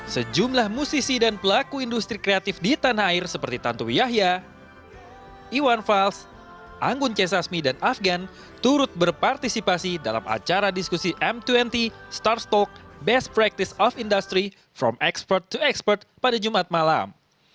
sejumlah musisi dan pelaku industri kreatif di tanah air seperti tantowi yahya iwan fals anggun c sasmi dan afgan turut berpartisipasi dalam acara diskusi m dua puluh starstock best practice of industry from expert to expert pada jumat malam